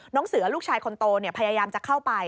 เสือลูกชายคนโตพยายามจะเข้าไป